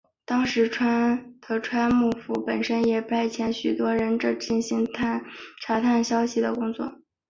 当时的德川幕府本身也派遣许多忍者进行查探消息的工作。